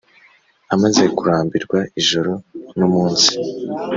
amaze kurambirwa ijoro n'umunsi;